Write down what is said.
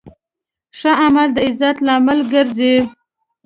ښه عمل د عزت لامل ګرځي.